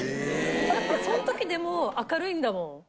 だってその時でも明るいんだもん。